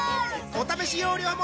お試し容量も